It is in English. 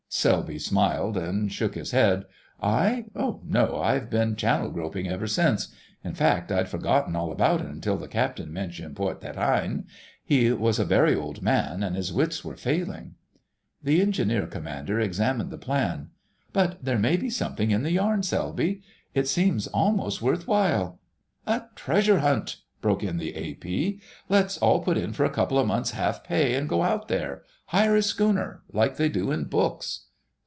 Selby smiled and shook his head. "I? No, I've been 'Channel groping' ever since; in fact, I'd forgotten all about it until the Captain mentioned Port des Reines. He was a very old man, and his wits were failing——" The Engineer Commander examined the plan. "But there may be something in the yarn, Selby. It seems almost worth while——" "A treasure hunt!" broke in the A.P. "Let's all put in for a couple of months' half pay, and go out there! Hire a schooner, like they do in books."